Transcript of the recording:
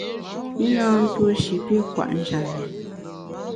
I na ntuo tuo shi pi kwet njap bi.